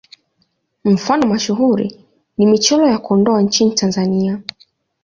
Mfano mashuhuri ni Michoro ya Kondoa nchini Tanzania.